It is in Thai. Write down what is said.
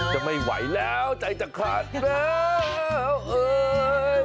จะไม่ไหวแล้วใจจะขาดแล้วเอ่ย